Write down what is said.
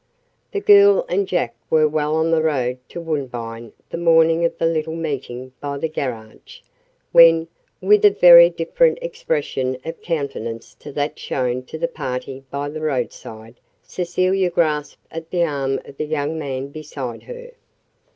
The girl and Jack were well on the road to Woodbine the morning of the little meeting by the garage, when, with a very different expression of countenance to that shown to the party by the roadside, Cecilia grasped at the arm of the young man beside her.